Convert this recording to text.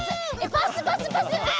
パスパスパスパス！